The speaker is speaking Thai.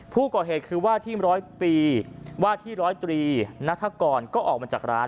ผู้ก่อเหตุคือว่าที่ร้อยปีว่าที่ร้อยตรีนัฐกรก็ออกมาจากร้าน